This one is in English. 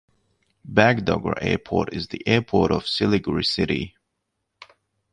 Bagdogra Airport is the airport of Siliguri city.